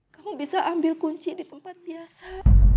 kamu bisa ambil kunci di tempat biasa